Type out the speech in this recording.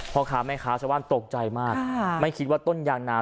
พ่อขาแม่ขาชะวันตกใจมากไม่คิดว่าต้นยางนา